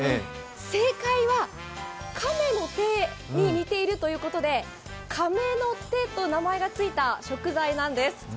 正解は、亀の手に似ているということで、カメノテと名前がついた食材なんです。